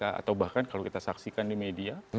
atau bahkan kalau kita saksikan di media